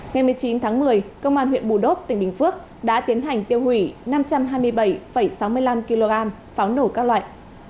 ngày một mươi chín tháng một mươi công an huyện bù đốp tỉnh bình phước đã tiến hành tiêu hủy năm trăm hai mươi bảy sáu mươi năm kg pháo nổ các loại